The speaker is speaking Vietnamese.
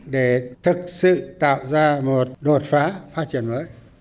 để thực sự tạo ra một đột phá phát triển mới